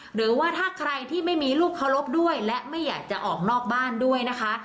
หรือว่าถ้าใครที่ไม่มีลูกเคารพด้วยและไม่อยากจะออกนอกบ้านด้วยนะคะ